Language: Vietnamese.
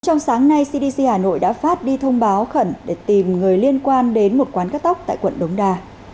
trong sáng nay cdc hà nội đã phát đi thông báo khẩn để tìm người liên quan đến một quán cắt tóc tại quận đống đa